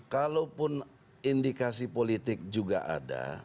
kalaupun indikasi politik juga ada